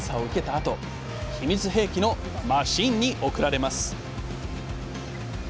あと秘密兵器のマシンに送られます